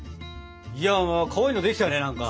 いやかわいいのできたね何か。